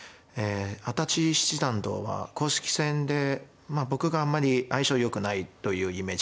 安達七段とは公式戦でまあ僕があんまり相性よくないというイメージです。